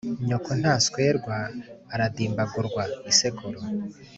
Nyoko ntaswerwa aradimbagurwa-Isekuru.